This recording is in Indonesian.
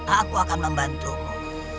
aku akan membantumu